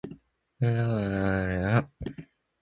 とんでもなく高くジャンプした